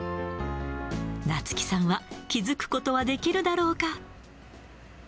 奈月さんは気付くことはできるだろうか。